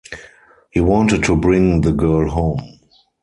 He wanted to bring the girl home.